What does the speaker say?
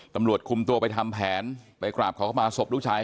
ตำรวจคุมตัวไปทำแผนไปกราบขอเข้ามาศพลูกชาย